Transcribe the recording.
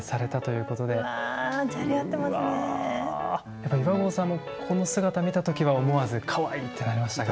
やっぱ岩合さんもこの姿見た時は思わずかわいい！ってなりましたか？